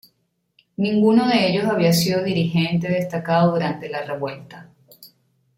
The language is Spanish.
Ninguno de ellos había sido dirigente destacado durante la revuelta.